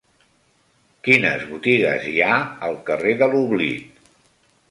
Quines botigues hi ha al carrer de l'Oblit?